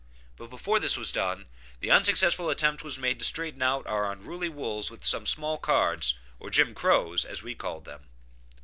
But before this was done, the unsuccessful attempt was made to straighten out our unruly wools with some small cards, or Jim Crows as we called them.